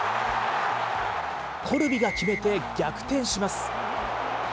コルビが決めて、逆転します。